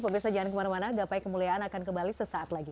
pemirsa jangan kemana mana gapai kemuliaan akan kembali sesaat lagi